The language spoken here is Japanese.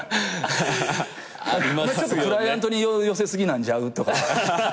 ちょっとクライアントに寄せ過ぎなんちゃう？とか。